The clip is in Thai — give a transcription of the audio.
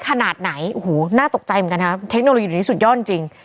ขนาดไหนโอ้โหน่าตกใจเหมือนกันครับเทคโนโลยีนี้สุดยอดจริง